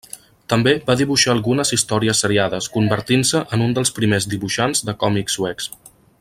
També va dibuixar algunes històries seriades, convertint-se en un dels primers dibuixant de còmics suecs.